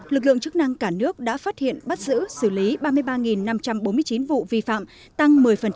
lực lượng chức năng cả nước đã phát hiện bắt giữ xử lý ba mươi ba năm trăm bốn mươi chín vụ vi phạm tăng một mươi